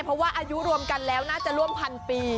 เพราะว่าอายุรวมกันแล้วน่าจะร่วมพันปี